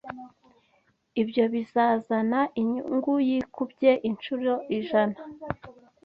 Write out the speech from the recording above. ibyo bizazana inyungu yikubye incuro ijana